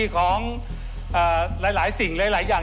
ของหลายสิ่งหลายอย่าง